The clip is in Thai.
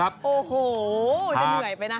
โอ้โหจะเหนื่อยไปนะ